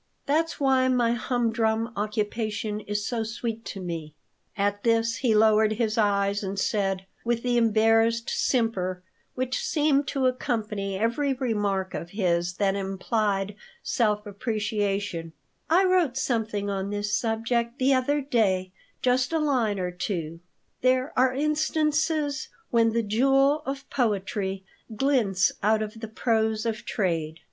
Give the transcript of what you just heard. That's why my humdrum occupation is so sweet to me." At this he lowered his eyes and said, with the embarrassed simper which seemed to accompany every remark of his that implied self appreciation, "I wrote something on this subject the other day, just a line or two: 'There are instances when the jewel of poetry glints out of the prose of trade.'"